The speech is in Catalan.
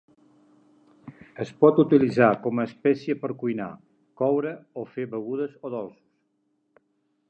Es pot utilitzar com a espècia per cuinar, coure, o fer begudes o dolços.